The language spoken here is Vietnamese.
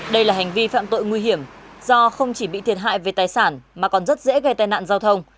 đây là hành vi phạm tội nguy hiểm do không chỉ bị thiệt hại về tài sản mà còn rất dễ gây tai nạn giao thông